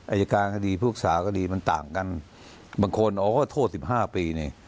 อัยการก็ดีภูกษาก็ดีมันต่างกันบางคนโอ้โหโทษ๑๕ปีนี่